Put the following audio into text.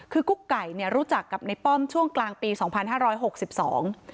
คือกุ๊กไก่เนี่ยรู้จักกับในป้อมช่วงกลางปีสองพันห้าร้อยหกสิบสอง